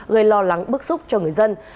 gây lo lắng bức xúc cho người dân